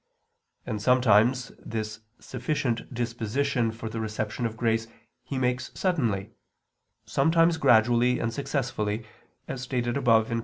And sometimes this sufficient disposition for the reception of grace He makes suddenly, sometimes gradually and successively, as stated above (Q.